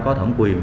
có thẩm quyền